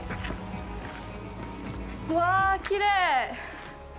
わ、きれい。